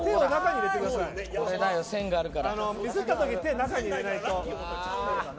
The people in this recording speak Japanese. ミスった時手を中に入れないと。